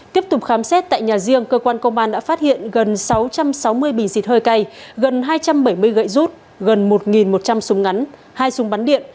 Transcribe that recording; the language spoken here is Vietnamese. tiếp tục khám xét tại nhà riêng cơ quan công an đã phát hiện gần sáu trăm sáu mươi bình xịt hơi cay gần hai trăm bảy mươi gậy rút gần một một trăm linh súng ngắn hai súng bắn điện